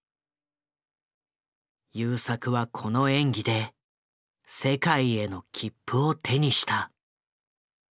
優作はこの演技で世界への切符を手にした。